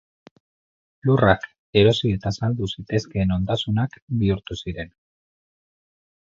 Lurrak erosi eta saldu zitezkeen ondasunak bihurtu ziren.